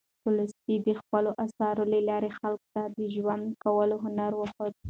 تولستوی د خپلو اثارو له لارې خلکو ته د ژوند کولو هنر وښود.